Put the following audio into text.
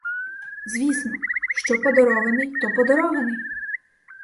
Звісно, що подарований, то подарований.